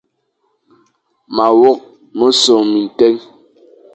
Ma wok mesong bi tèn.